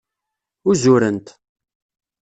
Uzurent.